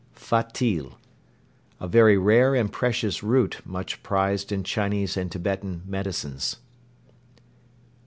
Fatil. A very rare and precious root much prized in Chinese and Tibetan medicines.